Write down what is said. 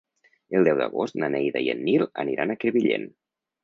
El deu d'agost na Neida i en Nil aniran a Crevillent.